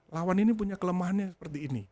lawan ini punya kelemahannya seperti ini